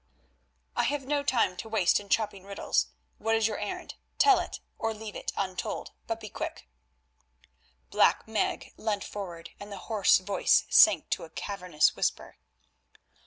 "I have no time to waste in chopping riddles. What is your errand? Tell it, or leave it untold, but be quick." Black Meg leant forward, and the hoarse voice sank to a cavernous whisper.